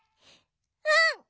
うん！